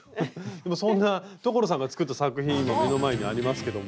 でもそんな所さんが作った作品今目の前にありますけども。